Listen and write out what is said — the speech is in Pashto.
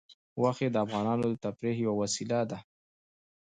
غوښې د افغانانو د تفریح یوه وسیله ده.